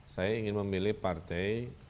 saya ingin memilih partai